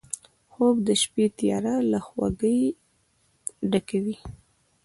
خوب د شپه تیاره له خوږۍ ډکوي